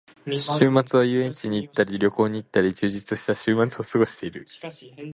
週末は遊園地に行ったり旅行に行ったり、充実した週末を過ごしている。